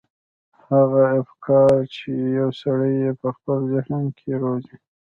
هغه افکار چې يو سړی يې په خپل ذهن کې روزي.